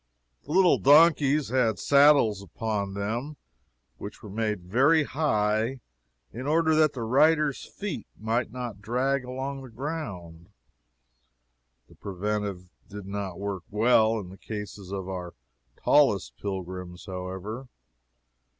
The little donkeys had saddles upon them which were made very high in order that the rider's feet might not drag the ground. The preventative did not work well in the cases of our tallest pilgrims, however.